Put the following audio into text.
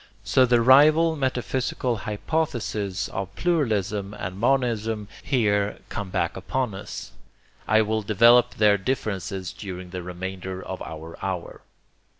So the rival metaphysical hypotheses of pluralism and monism here come back upon us. I will develope their differences during the remainder of our hour.